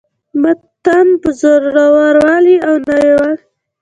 متن په زوړوالي او نویوالي پوري اړه نه لري.